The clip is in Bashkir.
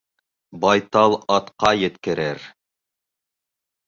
Байтал атҡа еткерер